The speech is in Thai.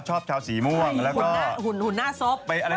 ฉันรู้จักหรือเปล่าเธอฉันสนิทไหม